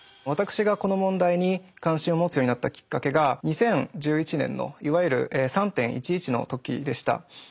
私がこの問題に関心を持つようになったきっかけが２０１１年のいわゆる３．１１の時でした。